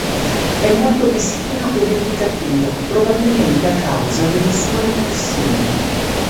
È molto meschino e vendicativo, probabilmente a causa della sua repressione.